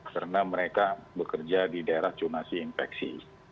karena mereka bekerja di daerah zonasi infeksi